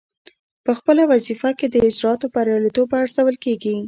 پخپله وظیفه کې د اجرااتو بریالیتوب ارزول کیږي.